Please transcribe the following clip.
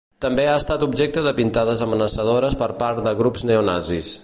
També ha estat objecte de pintades amenaçadores per part de grups neonazis.